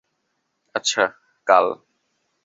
আচ্ছা, কাল।